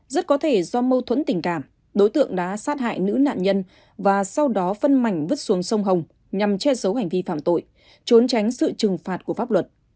rất có thể do mâu thuẫn tình cảm đối tượng đã sát hại nữ nạn nhân và sau đó phân mảnh vứt xuống sông hồng nhằm che giấu hành vi phạm tội trốn tránh sự trừng phạt của pháp luật